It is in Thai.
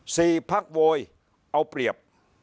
พักโวยเอาเปรียบ